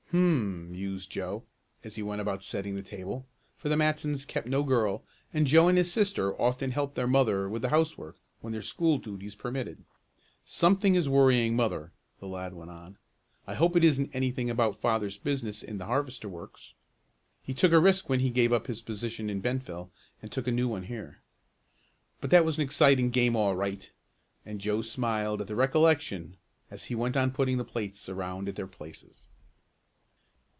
"Hum," mused Joe as he went about setting the table, for the Matsons kept no girl and Joe and his sister often helped their mother with the housework when their school duties permitted. "Something is worrying mother," the lad went on. "I hope it isn't anything about father's business in the harvester works. He took a risk when he gave up his position in Bentville and took a new one here. But that was an exciting game all right," and Joe smiled at the recollection as he went on putting the plates around at their places.